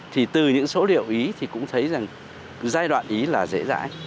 thì từ những số liệu ý thì cũng thấy rằng giai đoạn ý là dễ dãi